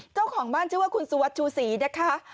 เจ้าของบ้านชื่อว่าคุณสุวัสดชูศรีนะคะ